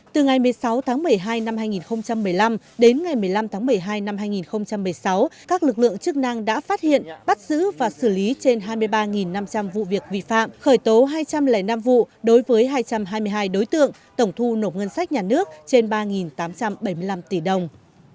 từ ngày một mươi sáu tháng một mươi hai năm hai nghìn một mươi năm đến ngày một mươi năm tháng một mươi hai năm hai nghìn một mươi sáu các lực lượng chức năng đã phát hiện bắt giữ và xử lý trên hai mươi ba năm trăm linh vụ việc vi phạm khởi tố hai trăm linh năm vụ đối với hai trăm hai mươi hai đối tượng tổng thu nộp ngân sách nhà nước trên ba tám trăm bảy mươi năm tỷ đồng